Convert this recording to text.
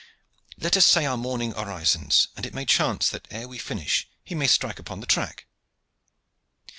Let us say our morning orisons, and it may chance that ere we finish he may strike upon the track."